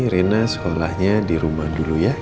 rina sekolahnya di rumah dulu ya